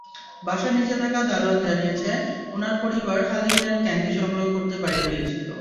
বাসার নিচে থাকা দারোয়ান জানিয়েছে, ওনার পরিবার হ্যালোউইনের ক্যান্ডি সংগ্রহ করতে বাইরে গিয়েছিল।